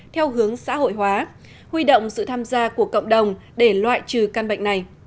theo hướng xã hội hóa huy động sự tham gia của cộng đồng để loại trừ căn bệnh này